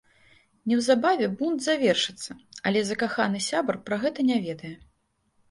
Неўзабаве бунт завершыцца, але закаханы сябар пра гэта не ведае.